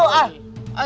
ah ini mah bagus